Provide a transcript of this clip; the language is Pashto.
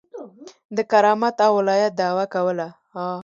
د کرامت او ولایت دعوه کوله.